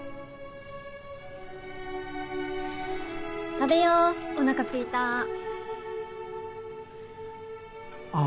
食べようおなかすいたああ